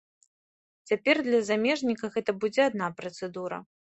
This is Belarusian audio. Цяпер для замежніка гэта будзе адна працэдура.